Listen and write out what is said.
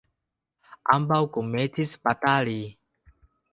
Ambaŭ komencis batali.